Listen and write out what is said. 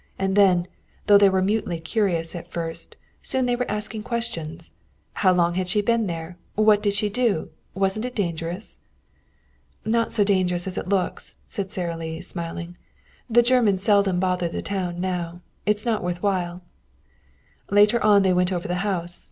And, though they were mutely curious at first, soon they were asking questions. How long had she been there? What did she do? Wasn't it dangerous? "Not so dangerous as it looks," said Sara Lee, smiling. "The Germans seldom bother the town now. It is not worth while." Later on they went over the house.